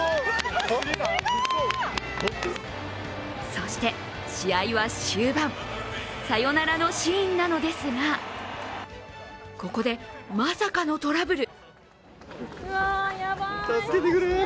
そして試合は終盤、サヨナラのシーンなのですがここで、まさかのトラブル！